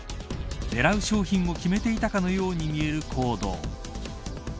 狙う商品を決めていたかのように見える行動。